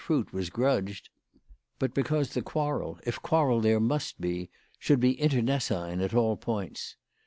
fruit was grudged, but because the quarrel, if quarrel there must be, should be internecine at all points.